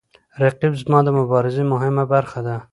رقیب زما د مبارزې مهمه برخه ده